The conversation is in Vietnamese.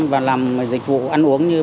bác sĩ đã góp sức